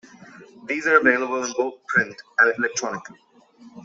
These are available in both print and electronically.